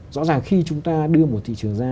rõ ràng khi chúng ta đưa một thị trường ra